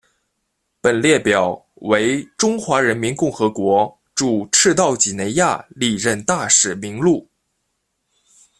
本列表为中华人民共和国驻赤道几内亚历任大使名录。